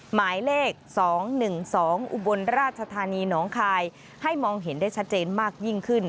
หมายเลข๒๑๒อุบลราชธานีหนองคายให้มองเห็นได้ชัดเจนมากยิ่งขึ้น